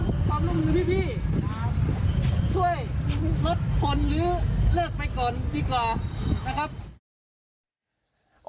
ความร่วมมือพี่ช่วยลดคนหรือเลิกไปก่อนดีกว่านะครับ